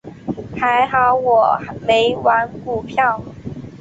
还好我没玩股票。